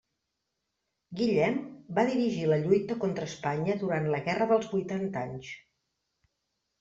Guillem va dirigir la lluita contra Espanya durant la Guerra dels Vuitanta Anys.